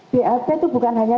blt itu bukan hanya